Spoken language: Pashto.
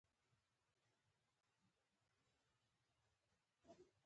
داسې تاثیر یې وکړ لکه تندر چې په سر را غورځېدلی وي.